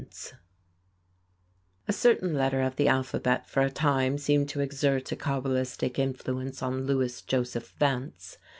SAMUEL MERWIN] A certain letter of the alphabet for a time seemed to exert a cabalistic influence on Louis Joseph Vance.